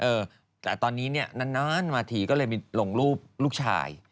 เออแต่ตอนนี้เนี่ยนานมาทีก็เลยมีลงรูปลูกชาย